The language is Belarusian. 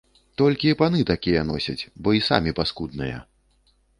Толькі паны такія носяць, бо і самі паскудныя!